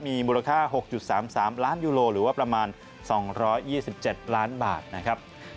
มีมูลค่า๖๓๓ล้านยูโลหรือว่าประมาณ๒๒๗ล้านบาทนะครับ